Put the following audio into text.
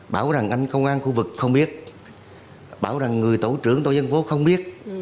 bảo rằng anh công an khu vực không biết bảo rằng người tổ trưởng tổ dân phố không biết